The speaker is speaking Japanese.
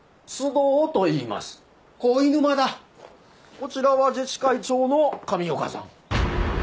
こちらは自治会長の上岡さん。